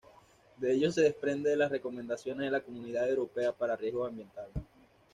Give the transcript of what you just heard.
De ello se desprende de las recomendaciones de la Comunidad Europea para riesgos ambientales.